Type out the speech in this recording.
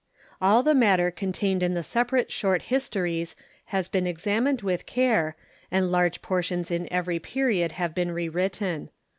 All the matter contained in the separate Short Histories has been examined with care, and large portions in every period have been rewritten.